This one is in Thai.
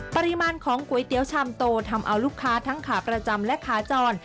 ปริมาณของก๋วยเตี๋ยวชามโตทำเอาลูกค้าทั้งขาประจำและขาจร